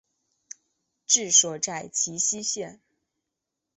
治所在齐熙县。